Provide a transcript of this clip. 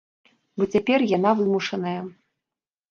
Бо цяпер яна вымушаная.